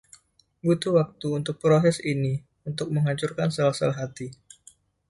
Butuh waktu untuk proses ini untuk menghancurkan sel-sel hati.